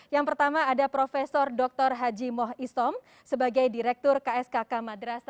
yang pertama ada prof dr haji moh isom sebagai direktur kskk madrasa